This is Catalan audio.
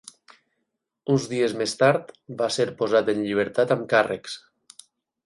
Uns dies més tard, va ser posat en llibertat amb càrrecs.